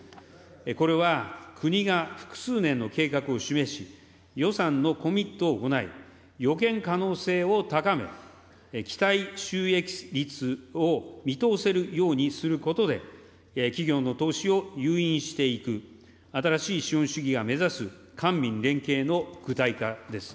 これは国が複数年の計画を示し、予算のコミットを行い、予見可能性を高め、期待収益率を見通せるようにすることで、企業の投資を誘引していく、新しい資本主義が目指す官民連携の具体化です。